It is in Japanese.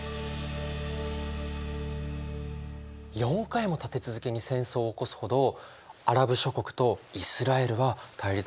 ４回も立て続けに戦争を起こすほどアラブ諸国とイスラエルは対立してるんだ。